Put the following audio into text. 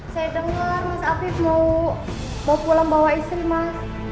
saya keluar mas afif mau bawa pulang bawa istri mas